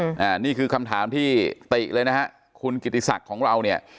อ่านี่คือคำถามที่ติเลยนะฮะคุณกิติศักดิ์ของเราเนี่ย